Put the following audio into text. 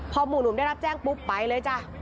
พอหมู่หนุ่มได้รับแจ้งปุ๊บไปเลยจ้ะ